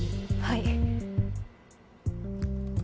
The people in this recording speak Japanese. はい。